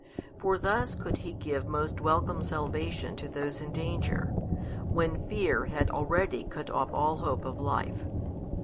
For thus could He give most welcome salvation to those in danger, when fear had already cut off all hope of life.